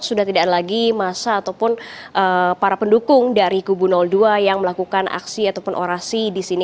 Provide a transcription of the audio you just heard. sudah tidak ada lagi masa ataupun para pendukung dari kubu dua yang melakukan aksi ataupun orasi di sini